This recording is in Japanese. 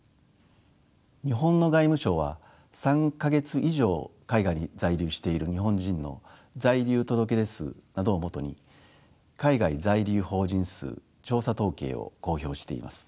日本の外務省は３か月以上海外に在留している日本人の在留届出数などを基に海外在留邦人数調査統計を公表しています。